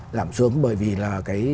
giảm xuống bởi vì là cái